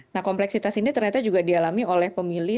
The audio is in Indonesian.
nah kompleksitas ini ternyata juga dialami oleh pemilih